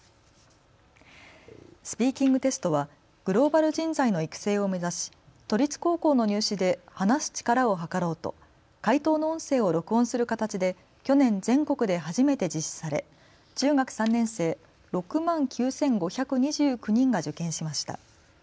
スピーキングテストはグローバル人材の育成を目指し都立高校の入試で話す力をはかろうと解答の音声を録音する形で去年、全国で初めて実施され中学３年生６万９５２９人が受験しました。